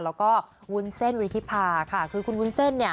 แล้วก็วุ้นเส้นวิริธิภาค่ะคือคุณวุ้นเส้นเนี่ย